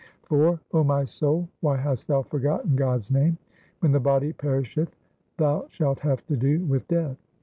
IV O my soul, why hast thou forgotten God's name ? When the body perisheth thou shalt have to do with Death.